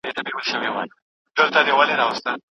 د یهودانو دقیق ارقام راټول سول.